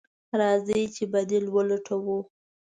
راځئ چې بديل ولټوو.